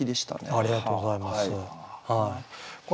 ありがとうございます。